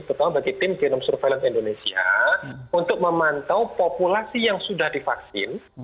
terutama bagi tim genome surveillance indonesia untuk memantau populasi yang sudah divaksin